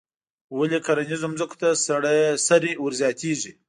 ولې کرنیزو ځمکو ته سرې ور زیاتیږي؟